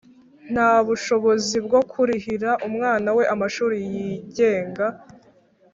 nta bushobozi bwo kurihira umwana we amashuri yigenga.